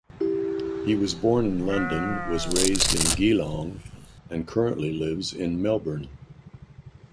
He was born in London, was raised in Geelong, and currently lives in Melbourne.